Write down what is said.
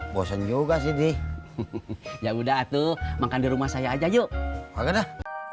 bosan juga sih di ya udah tuh makan di rumah saya aja yuk udah